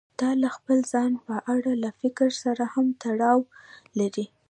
دا له خپل ځان په اړه له فکر سره هم تړاو لري.